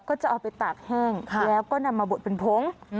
ก็จะเอาไปตากแห้งแล้วก็นำมาบดเป็นผง